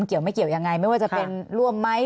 เกี่ยวไม่เกี่ยวยังไงไม่ว่าจะเป็นร่วมไหม